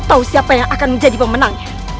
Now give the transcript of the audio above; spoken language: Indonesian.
tahu siapa yang akan menjadi pemenang